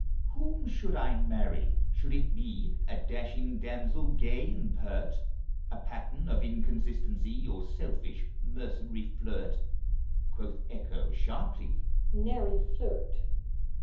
Whom should I marry? should it be A dashing damsel, gay and pert, A pattern of inconstancy; Or selfish, mercenary flirt? Quoth Echo, sharply, "Nary flirt!"